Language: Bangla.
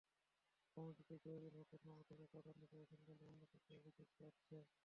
কমিটিতে জহিরুল হকের সমর্থকেরা প্রাধান্য পেয়েছেন বলে অন্য পক্ষ অভিযোগ করে আসছে।